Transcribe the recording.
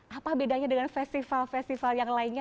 apa bedanya dengan festival festival yang lainnya